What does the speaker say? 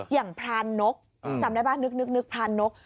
อย่างพรานกจำได้ป่ะนึกพรานก